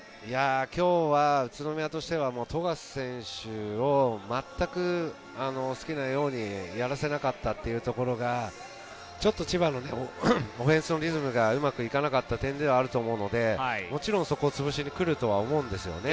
今日は宇都宮としては、富樫選手を全く好きなようにやらせなかったというところが千葉のオフェンスのリズムがうまくいかなかった点ではあると思うので、そこをつぶしに来るとは思うんですよね。